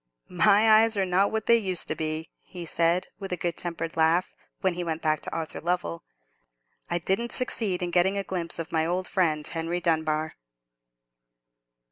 "My eyes are not what they used to be," he said, with a good tempered laugh, when he went back to Arthur Lovell. "I didn't succeed in getting a glimpse of my old friend Henry Dunbar."